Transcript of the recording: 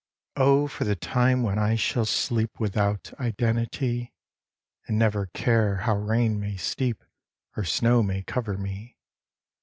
"Oh, for the time when I shall sleep Without identity. And never care how rain may steep, Or snow may cover me!